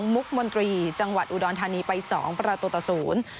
มุกมนตรีจังหวัดอุดรธานีไปสองประตูต่อศูนย์